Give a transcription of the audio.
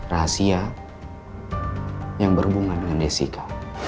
rahasia yang berhubungan dengan jessica